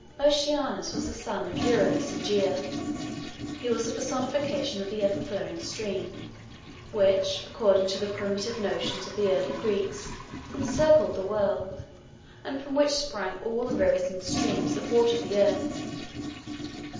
Oceanus was the son of Uranus and Gæa. He was the personification of the ever flowing stream, which, according to the primitive notions of the early Greeks, encircled the world, and from which sprang all the rivers and streams that watered the earth.